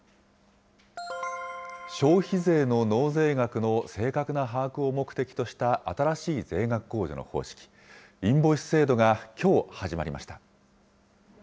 消費税の納税額の正確な把握を目的とした新しい税額控除の方式、インボイス制度が、きょう始まりました。